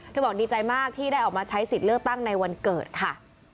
บอกดีใจมากที่ได้ออกมาใช้สิทธิ์เลือกตั้งในวันเกิดค่ะ